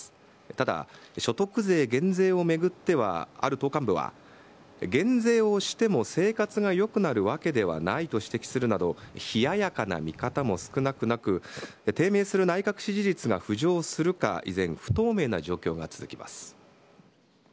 ただ、所得税減税を巡ってはある党幹部は、減税をしても生活がよくなるわけではないと指摘するなど、冷ややかな見方も少なくなく、低迷する内閣支持率が浮上するか、依然、不透明な状況が続きます。